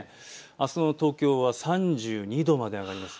あすの東京は３２度まで上がります。